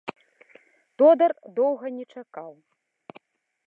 Тодар доўга не чакаў.